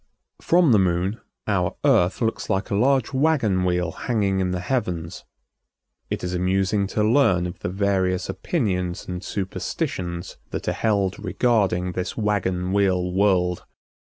From the Moon our Earth looks like a large wagon wheel hanging in the heavens. It is amusing to learn of the various opinions and superstitions that are held regarding this wagon wheel world.